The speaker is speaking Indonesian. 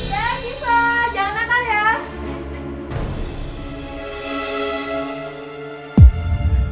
ya siva jangan kalah ya